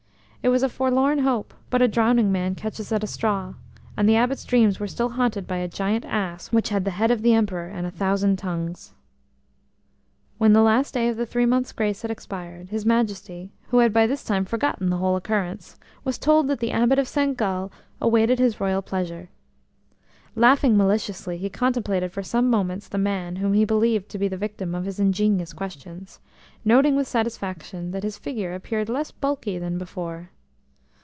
It was a forlorn hope, but a drowning man catches at a straw, and the Abbot's dreams were still haunted by a giant ass which had the head of the Emperor and a thousand tongues. When the last day of the three months' grace had expired, his Majesty, who had by this time forgotten the whole occurrence, was told that the Abbot of St Gall awaited his royal pleasure. Laughing maliciously, he contemplated for some moments the man whom he believed to be the victim of his ingenious questions, noting with satisfaction that his figure appeared less bulky than before.